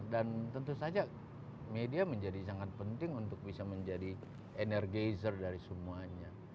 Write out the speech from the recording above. dan tentu saja media menjadi sangat penting untuk bisa menjadi energizer dari semuanya